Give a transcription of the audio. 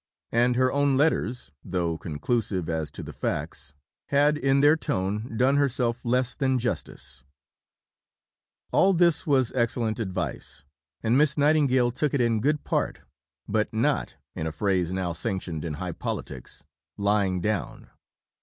And her own letters, though conclusive as to the facts, had in their tone done herself "less than justice." Printed in extenso in Stanmore, vol. i. pp. 416 420. All this was excellent advice, and Miss Nightingale took it in good part, but not, in a phrase now sanctioned in high politics, "lying down."